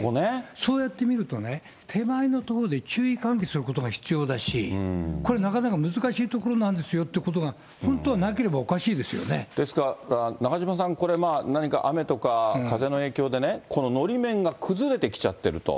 そうやって見るとね、手前の所で注意喚起することが必要だし、これなかなか難しいところなんですよということが本当はなければですから、中島さん、これまあ、何か雨とか風の影響でね、こののり面が崩れてきちゃってると。